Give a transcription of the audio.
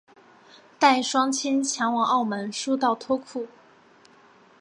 带双亲前往澳门输到脱裤